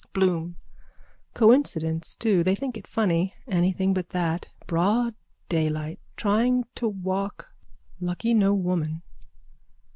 _ BLOOM: Coincidence too. They think it funny. Anything but that. Broad daylight. Trying to walk. Lucky no woman.